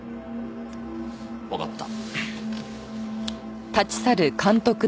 わかった。